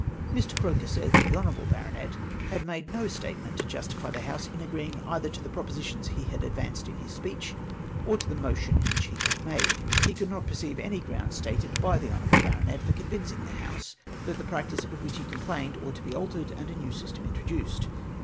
"" Mr. Croker said that the honourable baronet had made no statement to justify the House in agreeing either to the propositions he had advanced in his speech, or to the motion which he had made. He could not perceive any ground stated b}^ the honourable baronet for convincing the House that the practice of which he complained ought to be altered, and a new system introduced.